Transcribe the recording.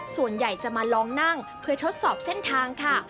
ส่วนใหญ่จะมาลองนั่งเพื่อทดสอบเส้นทางค่ะ